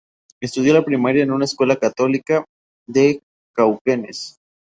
Estudió la primaria en una escuela católica de Cauquenes.